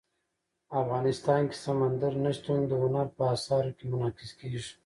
افغانستان کې سمندر نه شتون د هنر په اثار کې منعکس کېږي.